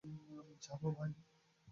যাবো, ভাই?